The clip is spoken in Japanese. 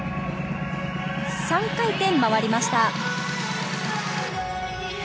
３回転回りました。